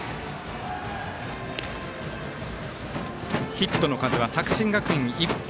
ヒットの数は作新学院に１本。